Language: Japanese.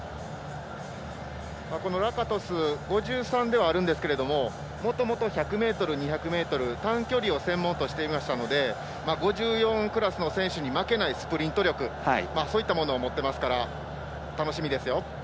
ラカトシュ５３ではあるんですけれどももともと１００ｍ、２００ｍ短距離を専門としていたので５４クラスの選手に負けないスプリント力そういったものを持ってますから楽しみですよ。